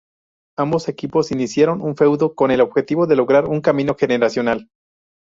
Ambos equipos iniciaron un feudo con el objetivo de lograr un cambio generacional.